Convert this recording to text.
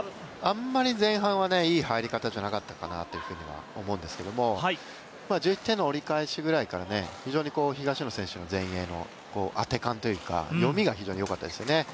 あんまり前半はいい入りじゃなかったかなと思うんですけど１１点の折り返しぐらいから非常に東野選手の前衛の当て勘というか、読みが非常によかったですよね。